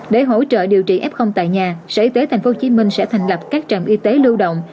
để hỗ trợ điều trị f tại nhà sở y tế tp hcm sẽ thành lập các trạm y tế lưu động